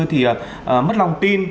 thì mất lòng tin